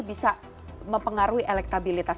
bagaimana cara ini mempengaruhi elektabilitas